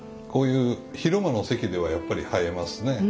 こういう広間の席ではやっぱり映えますね。